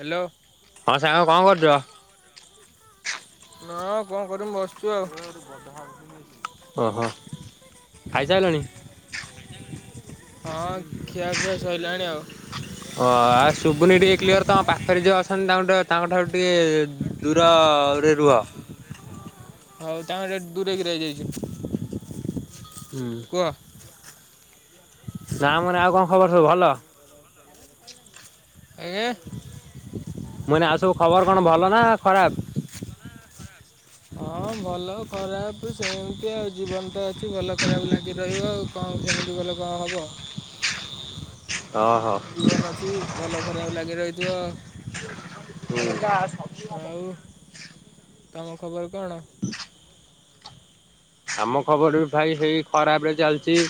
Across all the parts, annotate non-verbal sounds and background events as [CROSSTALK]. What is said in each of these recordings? Hello ହଁ ସାଙ୍ଗ କଣ କରୁଛ? ନ କଣ କରିମୁ ବସିଛୁ ଆଉ। ଓହୋ ଖାଇସାଇଲଣି? ହଁ ଖିଆ ପିଆ ସଇଲାଣି ଆଉ। ଓ ଆ ଶୁବୁନି ଟିକେ କ୍ଲିଅର୍, ତମ ପାଖରେ ଯିଏ ଅଛନ୍ତି ତଙ୍କଠା -ତାଙ୍କଠାରୁ ଟିକେ ଦୁର ରେ ରୁହ। ହଉ ତାଙ୍କ ଦୂରେଇକି ରହିଯାଇଛି। ହୁଁ। ନାଁ, ମର ଆଉ, କଣ ଖବର ସବୁ ଭଲ? ଏ ଗେ ମୁଁ କହିନି, ଆଉ ସବୁ ଖବର କଣ ଭଲ ନା ଖରାପ୍? ହଁ, ଭଲ ଖରାପ୍ ସେମିତି ଆଉ, ଜୀବନ ତ ଅଛି ଭଲ ଖରାପ୍ ଲାଗି ରହିବ ଆଉ। କଣ ସେମିତି କଲେ କଣ ହବ? ଓହୋ ଜୀବନ ଅଛି, ଭଲ ଖରାପ୍ ଲାଗିରହିଥିବ। ହୁଁ। ଆଉ, ତମ ଖବର କଣ? ଆମ ଖବର ବି ଭାଇ ହେଇ ଖରାପରେ ଚାଲିଚି।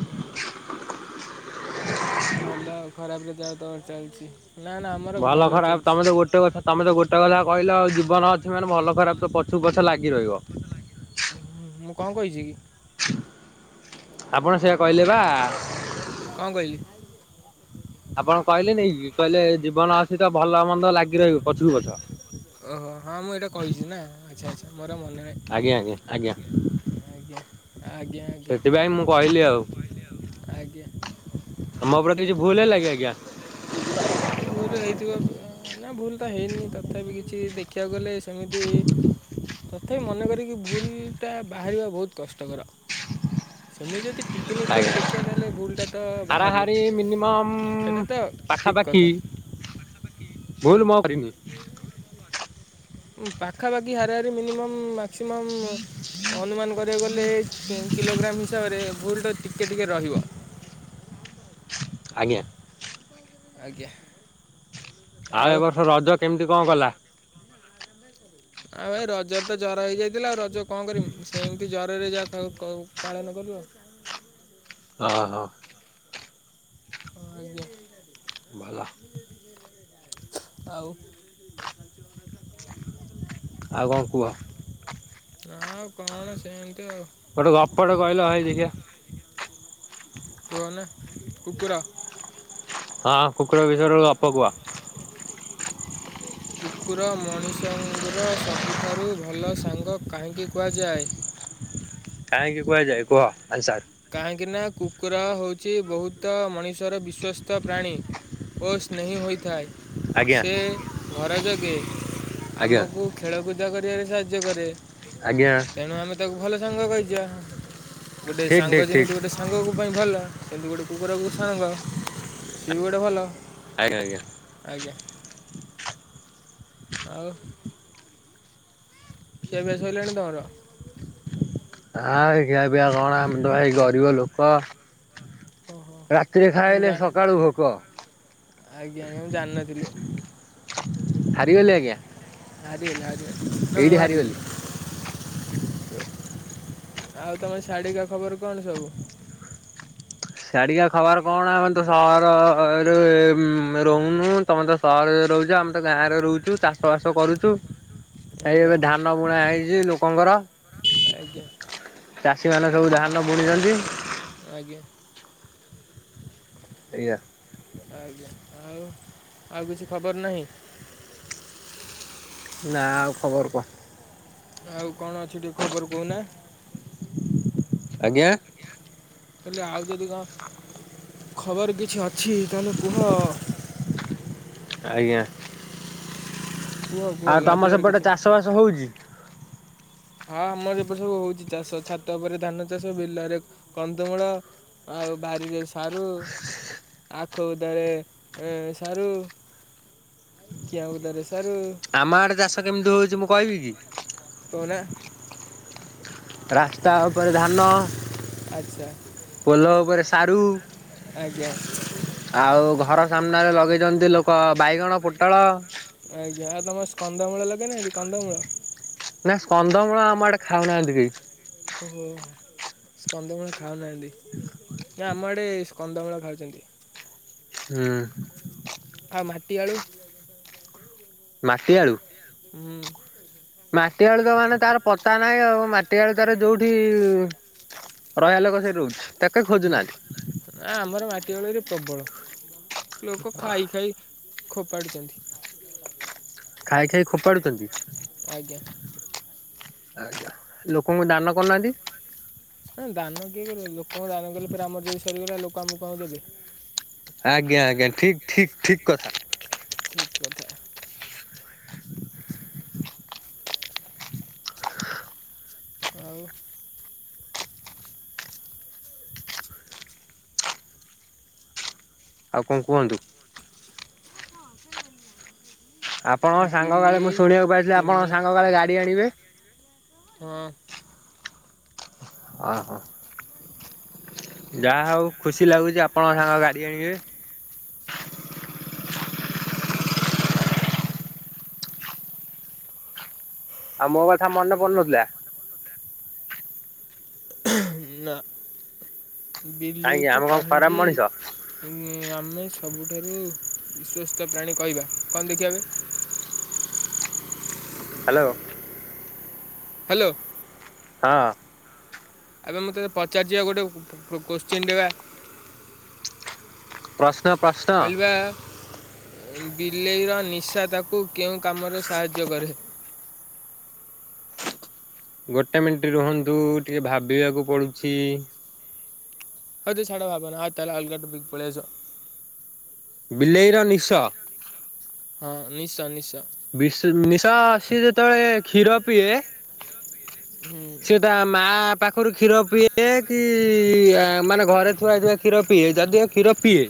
ଉଁ ହୁଁ। ଭଲ, ଆଉ ଖରାପ ଯଦି ଆଉ ତର ଚାଲିଛି। ନା ନା ଆମ ଭଲ ଖରାପ୍ ତମେ ତ ଗୋଟେ କଥା ତମେ ତ ଗୋଟେ କଥା କହିଲ ଆଉ, ଜୀବନ ଅଛି ମାନେ ଭଲ ଖରାପ ତ ପଛୁ ପଛ ଲାଗି ରହିବ। ହୁଁ, ମୁଁ କଣ କହିଛିକି? ଆପଣ ସେଆ କହିଲେ ବା! କଣ କହିଲି? ଆପଣ କହିଲେ ନେଇକି, କହିଲେ ଜୀବନ ଅଛିତ ଭଲ ମନ୍ଦ ଲାଗିରହିବ, ପଛ କୁ ପଛ। ଓହୋ! ହଁ, ମୁଁ ଏଇଟା କହିଛି ନା, ଆଛା ଅଛା ମୋର ଆଉ ମନେ ନାହିଁ। ଆଜ୍ଞା, ଜ୍ଞା, ଆଜ୍ଞା। ଆଜ୍ଞା ଆଜ୍ଞା ସେଥିପାଇଁ ମୁଁ କହିଲି ଆଉ ଆଜ୍ଞା, ଆଜ୍ଞା। ଆମ ପ୍ରତି କିଛି, ଭୁଲ୍ ହେଲାକି ଆଜ୍ଞା? ଭୁଲ୍ ହେଇଥିବ। ନାଁ ଭୁଲ୍ ତ ହେଇନି ତଥାପି କିଛି ଦେଖିଆକୁ ଗଲେ ସେମିତି ତଥାପି ମନେ କରିକି ଭୁଲ୍ ଟା ବାହାରିବା ବହୁତ୍ କଷ୍ଟକର। ସେମିତି ଯଦି ଟିକନିକ୍ କରି ଆଜ୍ଞା। ଦେଖିବା ତା, ହେଲେ ଭୁଲଟା ତ ବାହାରିବ। ହାରାହାରି ମିନିମମ୍ ସେଇଟା ତ ଠିକ୍ ପାଖାପାଖି, କଥା ହୁଁ ଭୁଲ ମୁଁ ଆଉ କରିନି। ପାଖାପାଖି, ହାରି ହାରି ମିନିମମ୍ ମା ମ୍ୟାକ୍ସିମମ୍ ଅନୁମାନ କରିବାକୁ ଗଲେ କିଲୋଗ୍ରାମ୍ ହିସାବରେ ଭୁଲ ତ ଟିକ୍ ଟିକେ ଟିକେ ରହିବ। ଆଜ୍ଞା। ଆଜ୍ଞା। ଆଉ ଏବ ବର୍ଷ ରଜ କେମିତି କଣ ଗଲା? ଆଉ, ଭାଇ ରଜରେ ତ ଜର ହେଇଯାଇଥିଲା। ଆଉ ରଜ କଣ କରିମି? ସେମିତି ଜ୍ୱରରେ ଯାହା ଖାଉ କଉ। ପାଳନ କଲୁ ଆଉ। ଅ ହ। [INAUDIBLE] ଆଜ୍ଞା। ଭଲ। ଆଉ। ଆଉ କଣ କୁହ? ନା ଆଉ କଣ ସେମତି ଆଉ। ଗୋଟେ ଗପଟେ କହିଲ, ଭାଇ ଦେଖିଆ। କୁହନା କୁକୁର। ହଁ, କୁକୁର ବିଷୟରେ ଗୋଟେ ଗପକୁୁଅ। [INAUDIBLE] କୁକୁର ମଣିଷଙ୍କର ସବୁଠାରୁ ଭଲ ସାଙ୍ଗ କାହିଁକି କୁହାଯାଏ? କାହିଁକି କୁହାଯାଏ? କୁହ ଆନ୍ସାର! କାହିଁକି ନା, କୁକୁର ହଉଛି, ବହୁତ ମଣିଷର ବିଶ୍ୱସ୍ତ ପ୍ରାଣୀ। ଓ ସ୍ନେହି ହୋଇଥାଏ। ଆଜ୍ଞା ସେ ଘର ଜଗେ। ଆଜ୍ଞା ଆମକୁ ଖେଳକୁଦ କରିବାରେ ସାହାଯ୍ୟ କରେ ଆଜ୍ଞା ତେଣୁ ଆମେ ତାକୁ ଭଲ ସାଙ୍ଗ କହିଯିବା। ଠିକ ଠିକ୍ ଠିକ। ଗୋଟେ ସାଙ୍ଗ କୁ ପାଇଁ ଭଲ ସେମିତି ଗୋଟେ କୁକୁରକୁ ସାଙ୍ଗ ସିଏ ବି ଗୋଟେ ଭଲ ଆଜ୍ଞା ଆଜ୍ଞା। ଆଜ୍ଞା। ଆଉ ଖିଆପିଆ ସଇଲାଣି ତମର? ଆଃ ଖିଆପିଆ କଣ ଆମେ ତ ଭାଇ ଗରିବ ଲୋକ ଓହୋ ରାତିରେ ମୁଁ ଖାଇଲେ ଜାଣିନି ସକାଳୁ ଭୋକ ଆଜ୍ଞା ଆଜ୍ଞା ମୁଁ ଜାଣିିନଥିଲି ହାରିଗଲି ଆଜ୍ଞା ଆରି ଗଲି ଆରୀ ଗଲି ନା ଏଇଠି ମୁଁ ଆରିଗଲି ହାରିଗଲି। ଆଉ ତମେ ସିଆଢିକା ଖବର କଣ ସବୁ ଶାଡ଼ିକା ଖବାର କଣ ଆମେ ତ ସହରରେ ଉଁ ରହୁନୁ ତମେ ତ ସହରରେ ରହୁଛ ଆମେ ତ ଗାଁ ରେ ରହୁଛୁ ଚାଷ ବାସ କରୁଛୁ। ଏଇ ଆଜ୍ଞା ଏବେ ଧାନ ବୁଣା ହେଇଛି ଲୋକଙ୍କର ଆଜ୍ଞା ଚାଷୀମାନେ ସବୁ ଧାନ ବୁଣିଛନ୍ତି। ଆଜ୍ଞା। ଆଜ୍ଞା। ଆଜ୍ଞା ଆଉ ଆଉ କିଛି ଖବର ନାହିଁ। ନା ଆଉ ଖବର କଣ। ଆଉ କଣ ଅଛି ଟିକେ ଖବର କହୁନା ଆଜ୍ଞା। କହିଲି ଆଉ ଯଦି କଣ ଖବର କିଛି ଅଛି ତାହେଲେ କୁହ ଆଜ୍ଞା କୁହ କୁହ ଆଉ ତମ ଲାଜିବାର ସେପଟେ କିଛି ଚାଷ ବାସ ହଉଛି। ହଁ ଆମର ଏପଟ ସବୁ ହେଉଛି ଚାଷ ଛାତ ଉପରେ ଧାନ ଚାଷ ବିଲରେ କନ୍ଦମୂଳ ଆଉ ବାରିରେ ସାରୁ ଆଖୁ ବୁଦାରେ ଏ ସାରୁ। କିଆ ବୁଦାରେ ସାରୁ। ଆମ ଆଡ଼େ ଚାଷ କେମିତି ହଉଛି ମୁଁ କହିବି କି। କହୁନା। ରାସ୍ତା ଉପରେ ଧାନ ଆଚ୍ଛା। ପୋଲ ଉପରେ ସାରୁ। ଆଜ୍ଞା ଆଉ ଘର ସାମ୍ନାରେ ଲଗେଇଛନ୍ତି ଲୋକ ବାଇଗଣ ପୋଟଳ। ଆଜ୍ଞା ଆଉ ତମର ସ୍କ କନ୍ଦମୂଳ ଲଗେଇନାହାନ୍ତି କନ୍ଦମୂଳ? ନାଁ କନ୍ଦମୂଳ ଆମ ଆଡେ ଖାଉନାହାନ୍ତି କେହି। ଓହୋ ସ୍କନ୍ଦମୂଳ ଖାଉନାହାଁନ୍ତି। ନା ଆମ ଆଡ଼େ ସ୍କନ୍ଦମୂଳ ଖାଉଛନ୍ତି। ହୁଁ। ଆଉ ମାଟିଆଳୁ? ମାଟି ଆଳୁ ହୁଁ ମାଟିଆଳୁ ତ ମାନେ ତାର ପତା ନାହିଁ ଆଉ ମା ଟି ଆଳୁ ତାର ଯୋଉଠି ରହିବା ଲୋକ ସେଇଠି ରହୁଛି। ତାକେ ଖୋଜୁନାହାନ୍ତି ନା ଆମର ମାଟି ଆଳୁରେ ପ୍ରବଳ ଲୋକ ଖାଇ ଖାଇ ଖୋପାଡୁଛନ୍ତି ଖାଇ ଖାଇ ଫୋପାଡୁଛନ୍ତି ଆଜ୍ଞା। ଆଜା ଲୋକଙ୍କୁ ଦାନ କରୁନାହାନ୍ତି। ନା ଦାନ କିଏ କରିବ ଲୋକଙ୍କ ଦାନ କଲେ ପେରେ ଆମର ଯଦି ସରିଗଲା ଲୋକ ଆମକୁ କଣ ଦେବେ। ଆଜ୍ଞା ଆଜ୍ଞା ଠିକ ଠିକ ଠିକ କଥା। ଠିକ୍ କଥା। ଆଉ ଆଉ କଣ କୁହନ୍ତୁ? ଆପଣ ସାଙ୍ଗ କାଳେ ମୁଁ ବିଲେଇ ଶୁଣିବାକୁ ପାଇଥିଲି ଆପଣ କେମି ସାଙ୍ଗ କଳେ ଗାଡ଼ି ଆଣିବେ। ହଁ। ହ ହୋ। ଯାହା ହେଉ ଖୁସି ଲାଗୁଛି ଆପଣଙ୍କ ସାଙ୍ଗ ଗାଡ଼ି ଆଣିବେ। ହୁଁ। [INAUDIBLE] ଆଉ ମୋ କଥା ମନେ ପଡୁନଥିଲା। ନା କାହିଁକି ବିଲେଇକୁ ଆମେ କଣ ଖରାପ କାହିଁକି ମଣିଷ ଆମେ ସବୁଠାରୁ ବିଶ୍ୱସ୍ତ ପ୍ରାଣୀ କହିବା କଣ ଦେଖିବା ଏବେ। ହ୍ୟାଲୋ। ହ୍ୟାଲୋ। ହଁ। ଏବେ ମଁତତେ ପଚାରଯିବା ଗୋଟେ କୋଶ୍ଚିନ୍ ବା। ପ୍ରଶ୍ନ ପ୍ରଶ୍ନ କହିଲି ପା ବିଲେଇର ନିଶା ତାକୁ କେଉଁ କାମରେ ସାହାଯ୍ୟ କରେ? ଗୋଟେ ମିନଟ ରୁହନ୍ତୁ ଟିକେ ଭାବିବାକୁ ପଡ଼ୁଛି। ହଉ ସଢା ଭାବାନ ନା ଆଉ ତାହେ ଅଲଗାଟ ବିକ୍ ପଳେଇସ। ବିଲେଇର ନିଶ ନିଶ। ହଁ ନିଶ୍ଚୟ ନିଶ୍ଚୟ। ବି ନିଶ ସ ଯେତେବେଳେ କ୍ଷୀର ପିଏ ହୁଁ ସିଏ ମା ପାଖରୁ କ୍ଷୀର ପିଇଏ କି ମାନେ ଘରେ ଛୁଆ ହେଇଥିବା କ୍ଷୀର ପିଇଏ ଯଦିଓ କ୍ଷୀର ପିଏ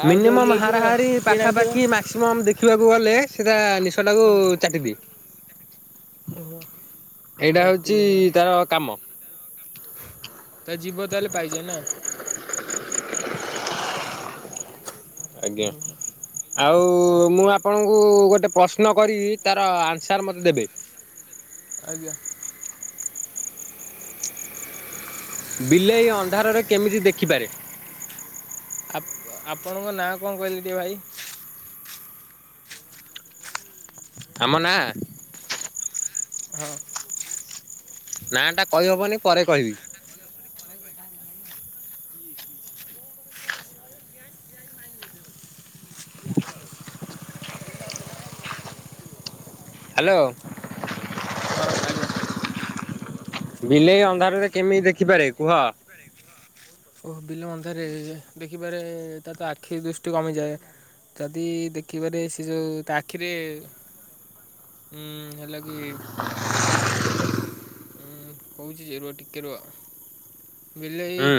ଆଉ ଯୋଉ ମିନିମମ୍ ଇଏ କ୍ଷୀର ହାରାହାରି କିଣା କ୍ଷୀର ପାଖାପାଖି ମାକ୍ସିମ ଦେଖିବାକୁ ଗଲେ ସେଟା ନିଶଟାକୁ ଚାଟିଦିଏ। ଓ ଏଇଟା ହଉଛି ଚାଟିଦିଏ। ତାର କାମ ତା ଜିବ ତାହେଲେ ପାଇଜେ ନା ଆଜ୍ଞା ଆଉ ମୁଁ ଆପଣଙ୍କୁ ଗୋଟେ ପ୍ରଶ୍ନ କରିି ତାାର ଆନ୍ସର୍ ମୋତେ ଦେବେ ଆଜ୍ଞା ବିଲେଇ ଅନ୍ଧାରରେ କେମିତି ଦେଖିପାରେ ଆ ଆପଣଙ୍କ ନାଁ କଣ କହିଲି ଟିକେ ଭାଇ ଆମ ନା ହଁ ନାଟା କହିହବନି ପରେ କହିବି ହଁ ହ୍ୟାଲୋ ହଁ ଆଜ୍ଞା ବିଲେଇ ଅନ୍ଧାରରେ କେମିତି ଦେଖିପାରେ କୁହ ଓ ବିଲ ମନ୍ଧାରେ ଦେଖିପାରେ ତା ତ ଆଖି ଦୃଷ୍ଟି କମିଯାଏ ଯଦି ଦେଖିବାରେ ସେ ଯୋଉ ତା ଆଖିରେ ହୁଁ ହେଲା କିି ଉଁ କହୁଛି ଯେ ରୁହ ଟିକେ ରୁହ ବିଲେଇ ହୁଁ।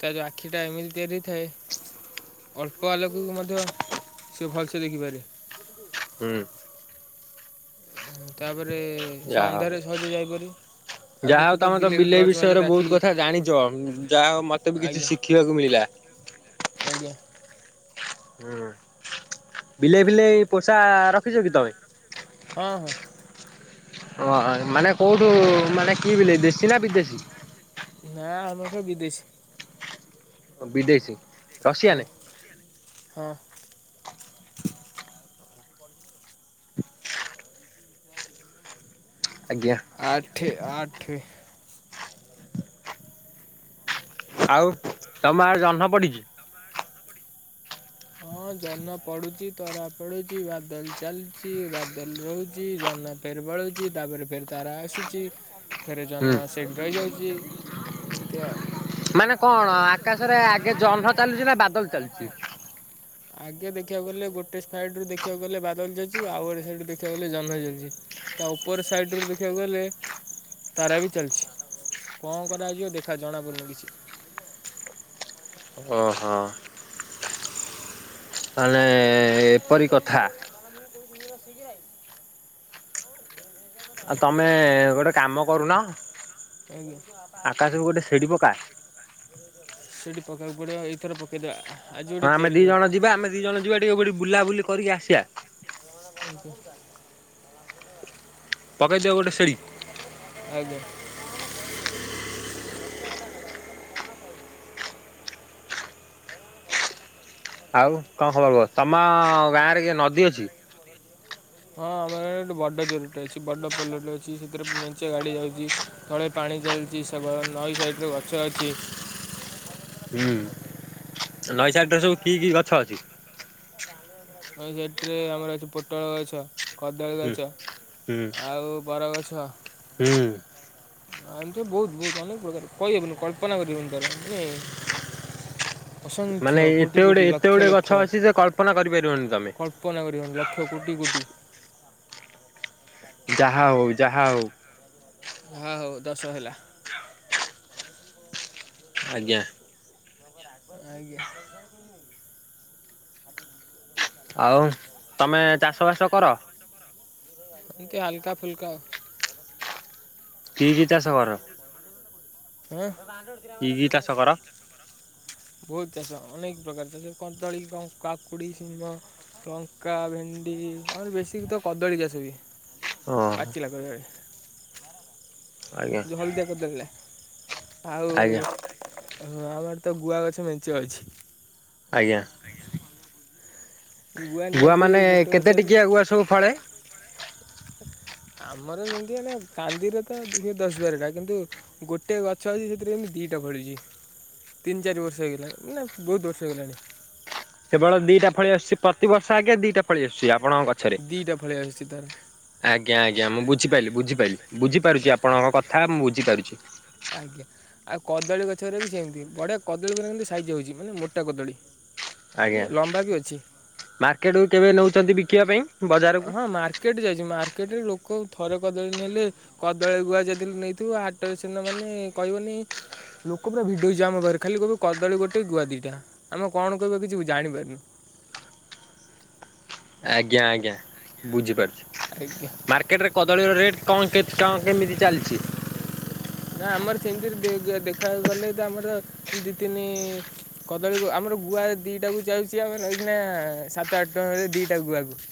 ତା ଯଉ ଆଖି ଟା ଏମିଲ ତିଆରି ଥାଏ ଅଳ୍ପ ଆଲୋକକୁ ମଧ୍ୟ ସେ ଭଲସେ ଦେଖିପାରେ ହୁଁ ତାପରେ ଯାହା ହଉ ସନ୍ଧ୍ୟାରେ ସହଜ ଯାଇପାର ଯାହା ହଉ ତମେ ତ ବିଲେଇ ବିଷୟରେ ଆଖି ବହୁତ କଥା ଜାଣିଛ ଯାହା ହ ମତେ ବି କିଛି ଆଜ୍ଞା ଶିଖିବାକୁ ମିଳିଲା ଆଜ୍ଞା ହୁଁ ବିଲେଇ ଫିଲେଇ ପୋଷା ରଖିଛ କି ତମେ? ହଁ ହଁ। ଓ ମାନେ କୋଉଠୁ ମାନେ କି ବିଲେଇ ଦେଶୀ ନା ବିଦେଶୀ? ନା ଆମର ସବୁ ବିଦେଶୀ। ଓ ବିଦେଶୀ। ରସିଆନ। ହଁ। ଆଜ୍ଞା। ଆଠେ ଆଠେ। ଆଉ ତମ ଆଡେ ଜହ୍ନ ପଡିଛି? ହଁ ଜହ୍ନ ପଡୁଛି, ତରା ପଡୁଛି, ବାଦଲ ଚାଲୁଚି, ବାଦଲ ରହୁଛି, ଜହ୍ନ ଫେର ବଢ଼ୁଛି ତାପରେ ଫେର ତାରା ଆସୁଛି। ଫେର ହୁଁ। ଜହ୍ନ ସେଇଠି ରହିଯାଉଛି ଏମିତି ଆଉ। ମାନେ କଣ ଆକାଶରେ ଆଗେ ଜହ୍ନ ଚାଲିୁଛି ନା ବାଦଲ ଚାଲିଛି? ଆଗେ ଦେଖିବାକୁ ଗଲେ ଗୋଟେ ସାଇଡରୁ ଦେଖିବାକୁ ଗଲେ ବାଦଲ ଚାଲୁଛି, ଆଉ ଗୋଟେ ସାଇଡୁ ଦେଖିବାକୁ ଗଲେ ଜହ୍ନ ଚାଲୁଛି। ତା ଉପର ସାଇଡ ରୁ ଦେଖିବାକୁ ଗଲେ? ତାରା ବି ଚାଲିଛି କଣ କରାଯିବ ଦେଖା ଜଣାପଡ଼ୁନି କିଛି। ଅହଁ। ମାନେ ଏପରି କଥା। [INAUDIBLE] ଆଉ ତମେ ଗୋଟେ କାମ କରୁନ ଆଜ୍ଞା ଆକାଶରୁ ଗୋଟେ ସିଢୀ ପକା? ସିଡି ପକେଇବାକୁ ପଡିବ ଏଇଥର ପ କେଇଦବା ଆ ଆଜି ହଁ ଗୋଟେ ଆମେ ତିଆରି ଦି କରିବା ଜଣ ଯିବା ଆମେ ଦି ଜଣ ଯିବା ଟିକେ କୋଉଠି ବୁଲାବୁଲି କରିକି ଆସିବା। [INAUDIBLE] ପକେଇ ଦିଅ ଗୋଟେ ସିଢି? ଆଜ୍ଞା। ଆଉ କଣ ଖବର କୁହ ତମ ଗାଁରେ କିଏ ନଦୀ ଅଛି? [INAUDIBLE] ହଁ ଆମର ଗ ଗୋଟେ ବଡ ଜରୁଟେ ଅଛି ବଡ ପୋଲଟେ ଅଛି ସେଥିରେ ମେଞ୍ଚେ ଗାଡି ଯାଉଛି। ତଳେ ପାଣି ଚାଲିଛି ସେପ ନଈ ସାଇଟରେ ଗଛ ଅଛି। ହୁଁ। ନଈ ସାଇଟରେ ସବୁ କି କି ଗଛ ଅଛି? ନଈ ସାଇଟରେ ଆମର ଅଛି ପୋଟଳ ଗଛ। କଦଳୀ ହୁଁ ଗଛ, ହୁଁ ଆଉ ବରଗଛ। ହୁଁ ଆ ଏମତି ବହୁତ ବହୁତ ଅନେକ ପ୍ରକାର କହିହବନି କଳ୍ପନା କରିହବନି ତାର ମାନେ ଅସଂଖ୍ୟ ମାନେ କୋଟି ଏତେ କୋଟି ଗୁଡେ ଏତେ ଲକ୍ଷ ଗୁଡେ ଗଛ ଅଛି ଯେ କଳ୍ପନା କରିପାରିବନି ତମେ। ଅଳ୍ପନା କରିହବନି ଲକ୍ଷ କୋଟି କୋଟି। ଯାହା ହଉ ଯାହା ହଉ। ହଁ ହଉ ଦଶ ହେଲା। ଆଜ୍ଞା। ଆଜ୍ଞା। ଆଉ ତମେ ଚାଷବାସ କର? ଏମିତି ହାଲକା ଫୁଲକା ଆଉ। କି କି ଚାଷ କର? ଆଁ? କି କି ଚାଷ କର? ବହୁତ ଚାଷ ଅନେକ ପ୍ରକାର ତାଥେରେ କଦଳୀ, କାକୁଡି, ସିମ ଲଙ୍କା, ଭେଣ୍ଡି, ଆମର ବେଶୀ ତ କଦଳୀ ଚାଷ ବି ଓହୋ ପାଚିଲା କଦଳୀ। ଆଜ୍ଞା ଯୋଉ ହଳଦିଆ କଦ ରହିଲା ଆଉ ଆଜ୍ଞା ହଁ ଆମର ତ ଗୁଆ ଗଛ ମେଞ୍ଚେ ଅଛି। ଆଜ୍ଞା, ଗୁଆ ନିହାତି ମାନେ ଗୋଟେ କେତେ ଗଛରେ ଟିକିଆ ଗୁଆ ସବୁ ଫଳେ? ଆମର ଯେମିତି ନା କାନ୍ଦିରେ ତ ହୁଏ ଦଶ ବାରଟା କିନ୍ତୁ ଗୋଟିଏ ଗଛ ଅଛି ସେଥିରେ ଏମତି ଦୁଇଟା ଫରିଛି ତିନି ଚାରି ବର୍ଷ ହେଇଲାଣି ବହୁତ ବର୍ଷ ହେଗଲାଣି କେବଳ ଦିଟାଳଳି ଆସୁଛି ପ୍ରତି ବର୍ଷ ଆଗେ ଦିଟା ଫଳ ଆୁଛି ଆପଣ ଦିଟା ଫଳଆ ଆସୁଛି ତାର ଆଜ୍ଞା ଆଜ୍ଞା ମୁଁ ବୁଝିପାରିଲି ବୁଝିପାରିଲି ବୁଝିପାରୁଛି ଆପଣଙ୍କ କଥା ମୁଁ ବୁଝିପାରୁଛି। ଆଜ୍ଞା। ଆଉ କଦଳୀ ଗଛରେ ବି ସେମିତି ବଢିଆ କଦଳୀ ଉପ କେମିତି ସାଇଜ୍ ହେଉଛି ମାନେ ମୋା କଦଳୀ। ଆଜ୍ଞା ମାନେ ଲମ୍ବା ବି ଅଛି ମାର୍କେଟରୁ କେବେ ନେଉଛନ୍ତି ବିକିବା ପାଇଁ? ବଜାରକୁ? ହଁ ମାର୍କେଟ ଯାଇଛି ମାର୍କେଟରେ ଲୋକ ଥରେ କଦଳୀ ନେଲେ କଦଳୀ ଗୁଆ ଯେଦି ନେଇଥିବ ହାଟରେ ସିନା ମାନେ କହିବନି ଲୋକପ୍ରୟ ଭିଡ଼ିଓ ହେଛି ଆମ ପାରେ ଖାଲି କହିବୁ କଦଳୀ ଗୋଟେ ଗୁଆ ଦୁଇଟା ଆମେ କଣ କହିବା କିଛି ଜାଣିପାରାରୁନୁ ଆଜ୍ଞା ଆଜ୍ଞା ବୁଝିପାରୁଛ ଆଜ୍ଞା କକେଟ କଦଳୀର ରେଟ୍ କଣ କଣ କେମିତି ଚାଲିଛି? ନା ଆମର ସେମିତିରେ ଦେଖାକୁ ଗଲେ ତ ଆମର ଦୁଇ ତିନି କଦଳୀକୁ ଆମର ଗୁଆ ଦିଟା କ ଯାଉଛି ଆମର ଏଇା ସାତ ଆଠଟଙ୍କରେ ଦିଟା ଗୁଆକୁ।